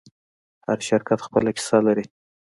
هر شرکت خپله کیسه لري.